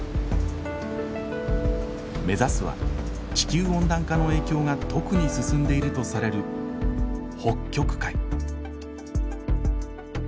目指すは地球温暖化の影響が特に進んでいるとされる北極海。